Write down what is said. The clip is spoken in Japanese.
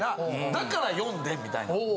だから呼んでんみたいな。